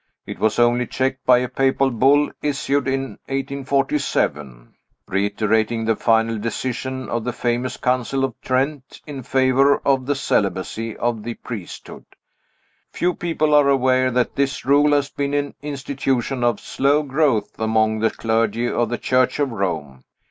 It was only checked by a papal bull issued in 1847, reiterating the final decision of the famous Council of Trent in favor of the celibacy of the priesthood. Few people are aware that this rule has been an institution of slow growth among the clergy of the Church of Rome.